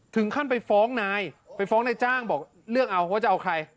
ถึงขั้นไปฟ้องนายไปฟ้องนายจ้างบอกเรื่องเอาว่าจะเอาใคร